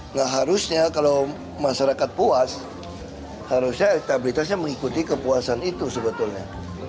nggak harusnya kalau masyarakat puas harusnya elektabilitasnya mengikuti kepuasan itu sebetulnya